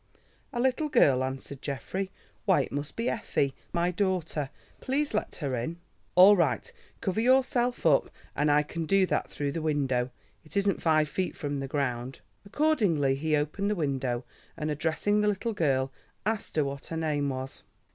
"A little girl," answered Geoffrey. "Why, it must be Effie, my daughter. Please let her in." "All right. Cover yourself up, and I can do that through the window; it isn't five feet from the ground." Accordingly he opened the window, and addressing the little girl, asked her what her name was.